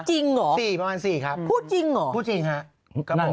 จริงเหรอสี่ประมาณสี่ครับพูดจริงเหรอพูดจริงครับผม